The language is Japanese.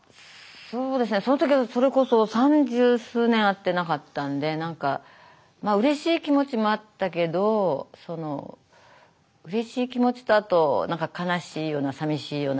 そうですねその時それこそ三十数年会ってなかったんでうれしい気持ちもあったけどうれしい気持ちとあと悲しいようなさみしいような。